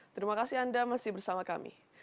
terima kasih anda masih bersama kami